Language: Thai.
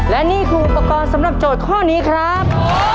และนี่คืออุปกรณ์สำหรับโจทย์ข้อนี้ครับ